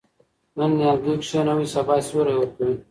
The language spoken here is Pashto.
نن نیالګی کښېنوئ سبا سیوری ورکوي.